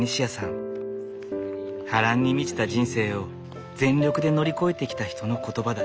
波乱に満ちた人生を全力で乗り越えてきた人の言葉だ。